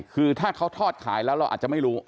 คือถ้าเขาทอดขายแล้วเราอาจจะไม่รู้